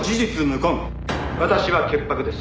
「私は潔白です」